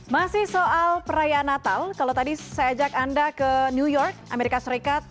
masih soal perayaan natal kalau tadi saya ajak anda ke new york amerika serikat